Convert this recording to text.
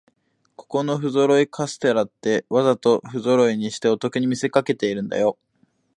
ここのふぞろいカステラって、わざとふぞろいにしてお得に見せかけてるんだよ